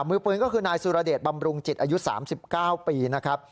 มือปืนก็คือนายสุรเดชบำรุงจิตอายุ๓๙ปีนะครับ